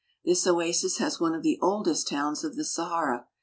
This oasis has one of the oldest towns of the Sahara.